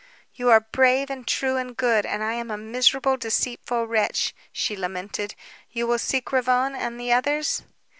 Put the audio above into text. "You are brave and true and good, and I am a miserable, deceitful wretch," she lamented. "You will seek Ravone and the others?"